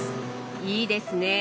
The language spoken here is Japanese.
いいですね！